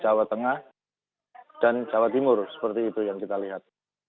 jawa tengah dan jawa timur seperti itu yang kita lihat